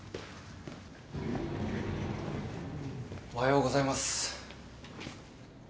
おはようございます。